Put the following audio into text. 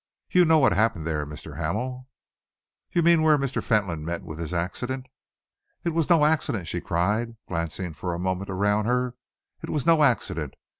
You know what happened there, Mr. Hamel?" "You mean where Mr. Fentolin met with his accident." "It was no accident!" she cried, glancing for a moment around her. "It was no accident!